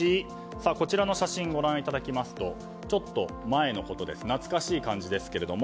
こちらの写真をご覧いただきますとちょっと前のことです。